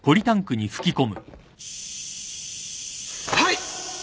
はい。